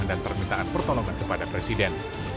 dan permintaan pertolongan kepada presiden